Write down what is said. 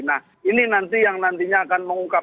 nah ini nanti yang nantinya akan mengungkap